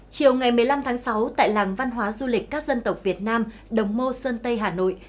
chiều ngày một mươi năm tháng sáu tại làng văn hóa du lịch các dân tộc việt nam đồng mô sơn tây hà nội